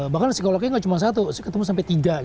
bahkan psikolognya nggak cuma satu ketemu sampai tiga